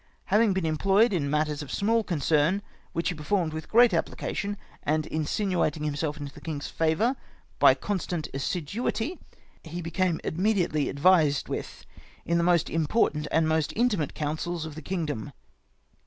Having been employ'd in Matters of small Concern, which He performed with great Application, and insinuating Himself into the King's Favour by constant Assiduity, He became immediately advised with in the most important and the most intimate Councils of the Kingdom.